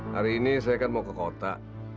hari ini saya kan mau ke kota